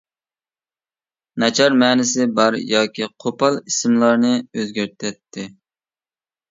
ناچار مەنىسى بار ياكى قوپال ئىسىملارنى ئۆزگەرتەتتى.